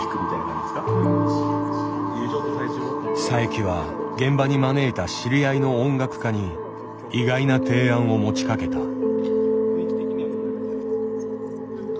佐伯は現場に招いた知り合いの音楽家に意外な提案を持ちかけた。